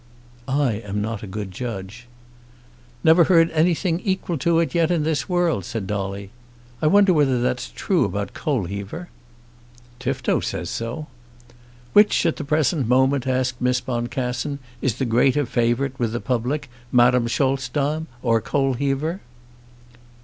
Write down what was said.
"I am not a good judge." "Never heard anything equal to it yet in this world," said Dolly. "I wonder whether that's true about Coalheaver?" "Tifto says so." "Which at the present moment," asked Miss Boncassen, "is the greater favourite with the public, Madame Scholzdam or Coalheaver?"